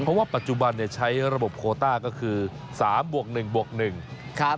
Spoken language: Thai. เพราะว่าปัจจุบันเนี่ยใช้ระบบโคต้าก็คือ๓บวก๑บวก๑ครับ